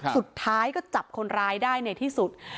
สุดท้ายก็จับคนร้ายได้ในที่สุด